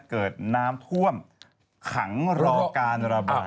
เกิดน้ำท่วมขังรอการระบาย